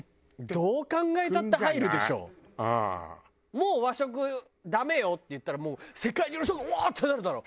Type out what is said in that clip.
もう和食ダメよって言ったら世界中の人がわー！ってなる。